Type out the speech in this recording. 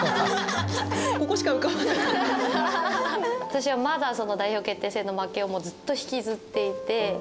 私はまだ代表決定戦の負けをずっと引きずっていて。